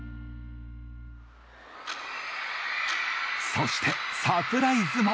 そしてサプライズも。